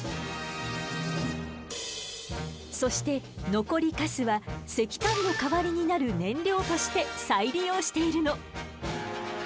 そして残りカスは石炭の代わりになる燃料として再利用しているの。